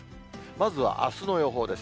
まずはあすの予報です。